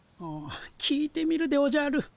聞いてみるでおじゃる。